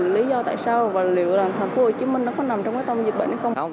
lý do tại sao và liệu là thành phố hồ chí minh nó có nằm trong cái tâm dịch bệnh hay không